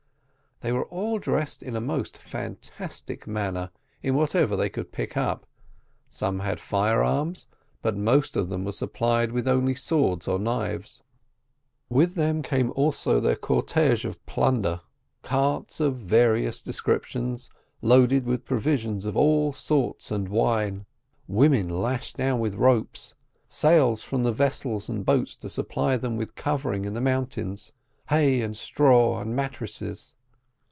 They were all dressed in a most fantastic manner with whatever they could pick up: some had fire arms, but the most of them were supplied with only swords or knives. With them came also their cortege of plunder: carts of various descriptions, loaded with provisions of all sorts, and wine; women lashed down with ropes, sails from the vessels and boats to supply them with covering in the mountains, hay and straw and mattresses.